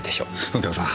右京さん